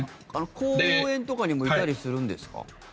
公園とかにもいたりするんですか？